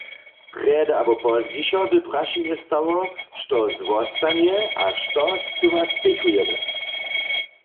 Prjedy abo pozdźišo by prašenje stało, što zwostanje a što scyła spěchujemy.